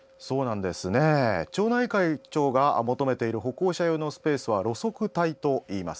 町内会長が求めている歩行者用のスペースは路側帯といいます。